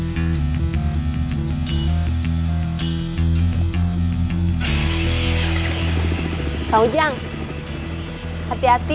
pak ujang hati hati